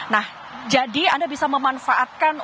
nah jadi anda bisa memanfaatkan